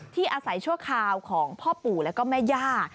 อาศัยชั่วคราวของพ่อปู่แล้วก็แม่ย่า